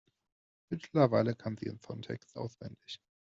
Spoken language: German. Mittlerweile kann sie den Songtext auswendig.